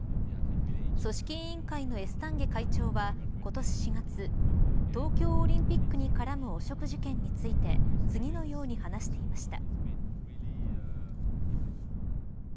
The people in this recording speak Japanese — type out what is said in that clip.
組織委員会のエスタンゲ会長は今年４月東京オリンピックに絡む汚職事件について次のように話していました。